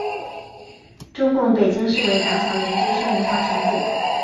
中共北京市委党校研究生文化程度。